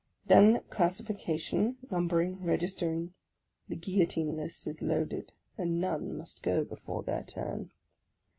Then classification, numbering, registering; the guillotine list is loaded, and none must go before their turn!